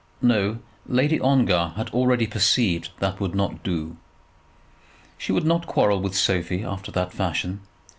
No; Lady Ongar had already perceived that that would not do. She would not quarrel with Sophie after that fashion.